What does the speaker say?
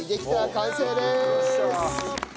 完成でーす！